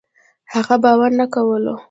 هغه باور نه کولو